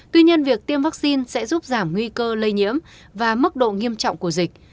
tuy nhiên việc tiêm vaccine sẽ giúp giảm nguy cơ lây nhiễm và mức độ nghiêm trọng của dịch